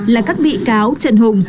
là các bị cáo trần hùng